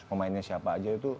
pemainnya siapa aja itu